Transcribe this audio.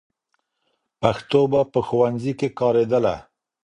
پښتو به په ښوونځي کې کارېدله.